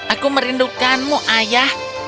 aku merindukanmu ayah